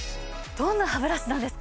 どんなハブラシなんですか？